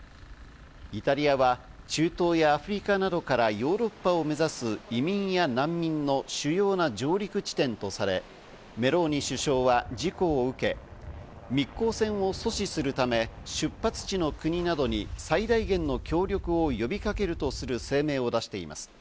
イタリアは中東やアフリカなどからヨーロッパを目指す移民や難民の主要な上陸地点とされ、メローニ首相は事故を受け、密航船を阻止するため、出発地の国などに最大限の協力を呼びかけるとする声明を出しています。